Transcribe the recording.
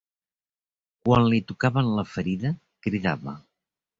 Quan li tocaven la ferida, cridava.